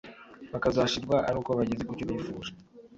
bakazashirwa ari uko bageze ku cyo bifuje